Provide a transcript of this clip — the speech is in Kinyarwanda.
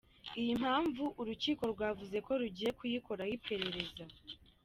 Iyi mpamvu urukiko rwavuze ko rugiye kuyikoraho iperereza.